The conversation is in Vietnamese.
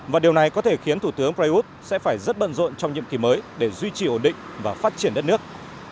và điều này có thể khiến thủ tướng prayuth sẽ phải rất bận rộn trong nhiệm kỳ mới để duy trì ổn định và phát triển đất nước